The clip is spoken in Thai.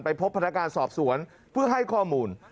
พบพนักงานสอบสวนเพื่อให้ข้อมูล